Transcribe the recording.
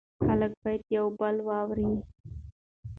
خلک باید یو بل واوري.